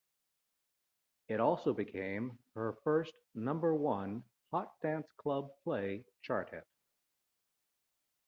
It also became her first number-one Hot Dance Club Play Chart hit.